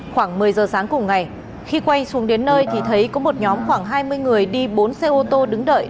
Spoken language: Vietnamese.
khoảng một mươi giờ sáng cùng ngày khi quay xuống đến nơi thì thấy có một nhóm khoảng hai mươi người đi bốn xe ô tô đứng đợi